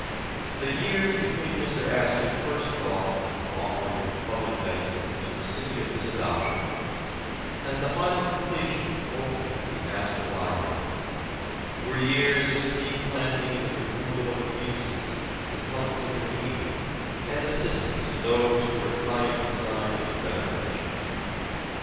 The years between Mr. Astor 's first thought of an of fering of public benefit to the city of his adoption, and the final completion and opening of the Astor Library, 298 The Astor Library were years of seed planting in the removal of abuses, in help for the needy, and assistance to those who were trying to climb into better conditions.